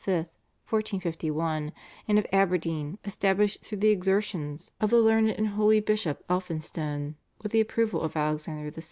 (1451), and of Aberdeen established through the exertions of the learned and holy Bishop Elphinstone with the approval of Alexander VI.